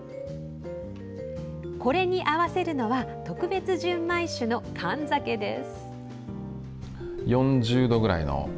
これに合わせるのは特別純米酒の燗酒です。